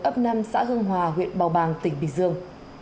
ấp năm xã hưng hòa huyện bào bàng tỉnh bình dương